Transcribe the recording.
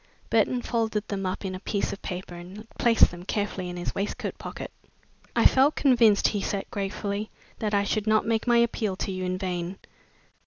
Burton folded them up in a piece of paper and placed them carefully in his waistcoat pocket. "I felt convinced," he said gratefully, "that I should not make my appeal to you in vain.